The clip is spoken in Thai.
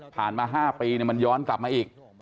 ผ่านมา๕ปีเนี่ยมันย้อนกลับมาอีก